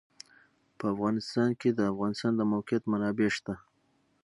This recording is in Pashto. په افغانستان کې د د افغانستان د موقعیت منابع شته.